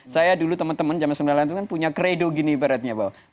saya dulu teman teman zaman sembilan puluh an itu kan punya kredo gini ibaratnya bahwa